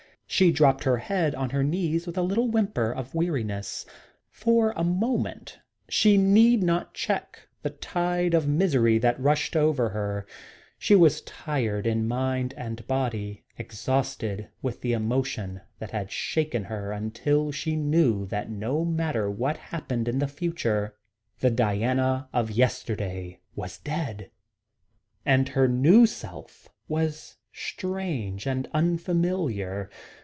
She dropped her head on her knees with a little whimper of weariness. For a moment she need not check the tide of misery that rushed over her. She was tired in mind and body, exhausted with the emotion that had shaken her until she knew that no matter what happened in the future the Diana of yesterday was dead, and her new self was strange and unfamiliar.